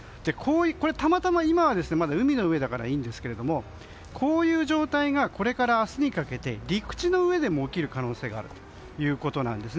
これは、たまたま今は海の上だからいいんですけどこういう状態がこれから明日にかけて陸地の上でも起きる可能性があるということです。